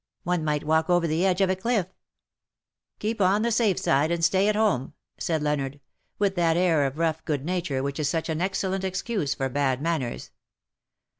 One might walk over the edge of a cliff/^ " Keep on the safe side and stay at home/' said Leonard,, with that air of rough good nature which is such an excellent excuse for bad manners.